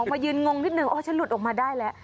มายืนงงนิดนึงอ๋อฉันหลุดออกมาได้แล้ว